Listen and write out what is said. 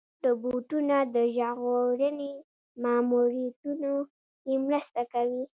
روبوټونه د ژغورنې ماموریتونو کې مرسته کوي.